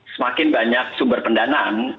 semakin banyak sumber pendanaan